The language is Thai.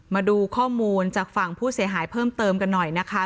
มาดูข้อมูลจากฝั่งผู้เสียหายเพิ่มเติมกันหน่อยนะคะ